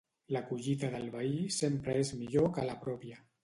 La collita del veí sempre és millor que la pròpia.